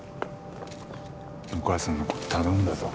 お母さんの事頼んだぞ。